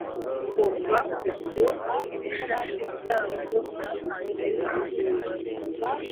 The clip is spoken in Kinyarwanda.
kuva ubwo ibishashi byarwo byatangiraga kugurumana